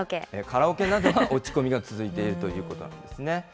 カラオケなどは落ち込みが続いているということなんですね。